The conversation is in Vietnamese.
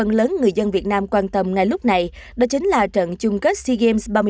những tin tức rất lớn người dân việt nam quan tâm ngay lúc này đó chính là trận chung kết sea games ba mươi một